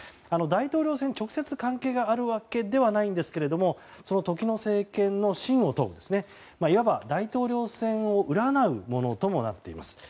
大統領選、直接関係があるわけではないんですが時の政権の真意を問ういわば大統領選を占うものともなっています。